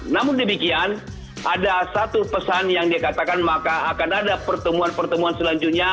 namun demikian ada satu pesan yang dikatakan maka akan ada pertemuan pertemuan selanjutnya